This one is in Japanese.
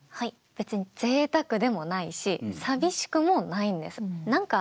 別にぜいたくでもないし寂しくもないんです。